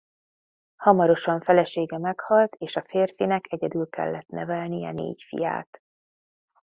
Hamarosan felesége meghalt és a férfinek egyedül kellett nevelnie négy fiát.